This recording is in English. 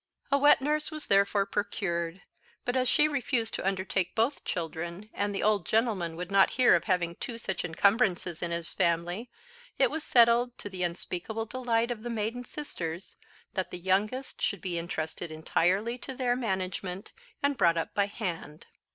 A wet nurse was therefore procured; but as she refused to undertake both children, and the old gentleman would not hear of having two such encumbrances in his family, it was settled, to the unspeakable delight of the maiden sisters, that the youngest should be entrusted entirely to their management, and brought up by hand.